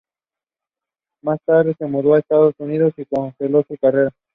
Más tarde se mudó a los Estados Unidos y congeló su carrera.